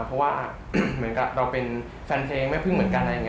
เพราะว่าเหมือนกับเราเป็นแฟนเพลงแม่พึ่งเหมือนกัน